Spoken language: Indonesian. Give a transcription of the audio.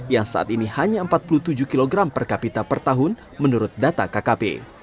yang saat ini hanya empat puluh tujuh kg per kapita per tahun menurut data kkp